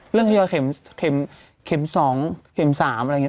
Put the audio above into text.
ทยอยเข็ม๒เข็ม๓อะไรอย่างนี้